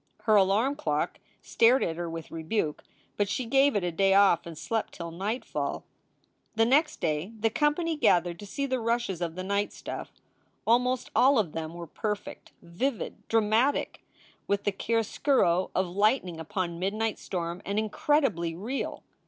Her alarm clock stared at her with rebuke, but she gave it a day off and slept till nightfall. The next day the company gathered to see the rushes of the night stuff. Almost all of them were perfect, vivid, dramatic with the chiaroscuro of lightning upon midnight storm, and incredibly real.